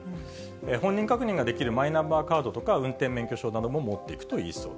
本人確認ができるマイナンバーカードとか、運転免許証なども持っ